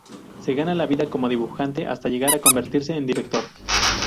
Se gana la vida como dibujante hasta llegar a convertirse en director.